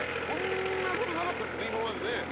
こんなことなかったですよね？